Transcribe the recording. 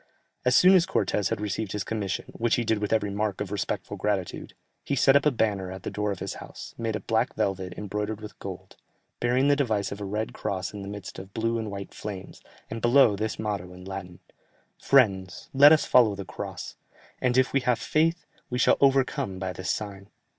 As soon as Cortès had received his commission, which he did with every mark of respectful gratitude, he set up a banner at the door of his house, made of black velvet embroidered in gold, bearing the device of a red cross in the midst of blue and white flames, and below, this motto in Latin, "Friends, let us follow the Cross, and if we have faith, we shall overcome by this sign."